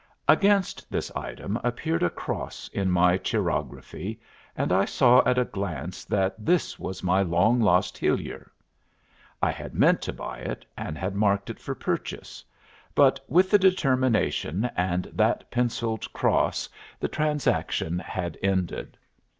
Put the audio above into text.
Against this item appeared a cross in my chirography, and I saw at a glance that this was my long lost Hillier! I had meant to buy it, and had marked it for purchase; but with the determination and that pencilled cross the transaction had ended.